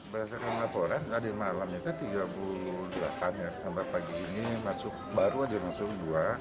berdasarkan laporan tadi malamnya ke tiga puluh delapan setelah pagi ini masuk baru aja langsung